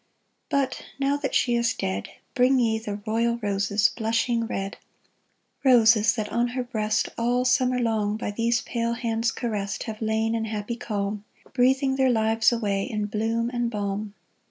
" But now that she is dead Bring ye the royal roses blushing red, Roses that on her breast All summer long, by these pale hands caressed, Have lain in happy calm, Breathing their lives away in bloom and balm